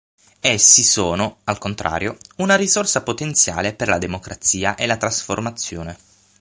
Essi sono, al contrario, una risorsa potenziale per la democrazia e la trasformazione.